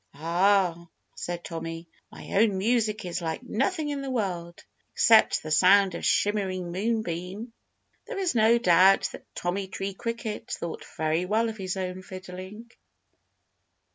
"Ah!" said Tommy. "My own music is like nothing in the world except the sound of a shimmering moonbeam." There is no doubt that Tommy Tree Cricket thought very well of his own fiddling.